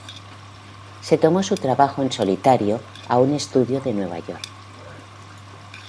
Se tomó su trabajo en solitario a un estudio de Nueva York.